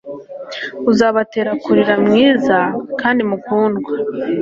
Uzabatera kurira mwiza kandi mukundwa